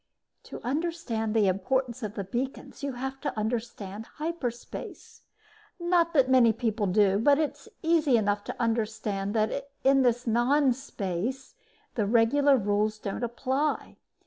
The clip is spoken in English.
To understand the importance of the beacons, you have to understand hyperspace. Not that many people do, but it is easy enough to understand that in this non space the regular rules don't apply.